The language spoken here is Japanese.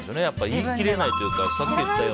言い切れないというか。